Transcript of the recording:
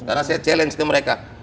karena saya challenge ke mereka